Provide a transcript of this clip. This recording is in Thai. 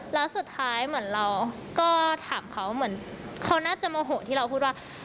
แล้วสุดท้ายเหมือนเราก็ถามเขาเหมือนเขาน่าจะโมโหที่เราพูดว่า